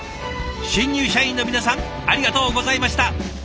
新入社員の皆さんありがとうございました。